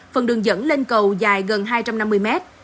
phần đường dẫn lên cầu dài gần hai trăm năm mươi mét